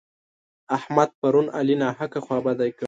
احمد پرون علي ناحقه خوابدی کړ.